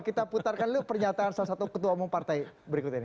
kita putarkan dulu pernyataan salah satu ketua umum partai berikut ini